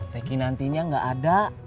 teh kinantinya gak ada